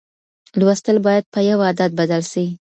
لوستل باید په یو عادت بدل سي.